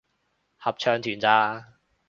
合唱團咋